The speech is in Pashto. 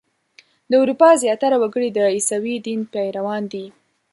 د اروپا زیاتره وګړي د عیسوي دین پیروان دي.